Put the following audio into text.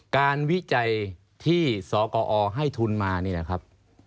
วิจัยที่สกอให้ทุนมานี่แหละครับ